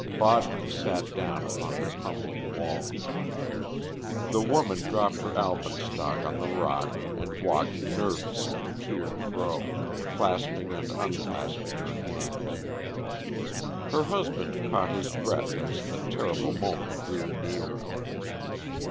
Bodman sat down upon the crumbling wall. The woman dropped her alpenstock on the rock, and walked nervously to and fro, clasping and unclasping her hands. Her husband caught his breath as the terrible moment drew near.